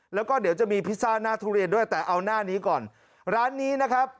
แล้วก็เดี๋ยวจะมีพิซซ่าหน้าทุเรียนด้วยแต่เอาหน้านี้ก่อนร้านนี้นะครับ